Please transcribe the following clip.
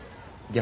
逆？